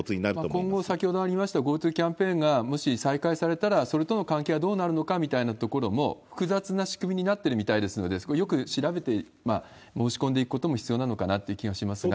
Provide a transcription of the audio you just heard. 今後、先ほどありましたＧｏＴｏキャンペーンがもし再開されたら、それとの関係はどうなるのかみたいなところも複雑な仕組みになってるみたいですので、そこをよく調べて申し込んでいくことも必要なのかなという気がしますが。